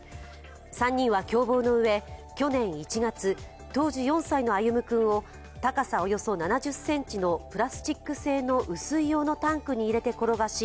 ３人は共謀のうえ去年１月、当時４歳の歩夢君を高さおよそ７０ｃｍのプラスチック製の雨水用のタンクに入れて転がし